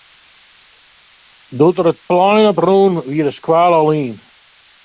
Doe't er it plein op rûn, wie de skoalle al yn.